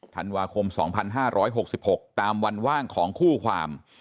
ธันวาคม๒๕๖๖ตามวันว่างของคู่ความ